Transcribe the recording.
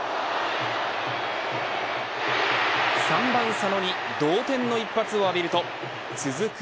３番佐野に同点の一発を浴びると続く